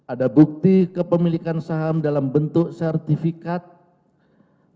ada bukti kepemilikan saham dalam bentuk sertifikat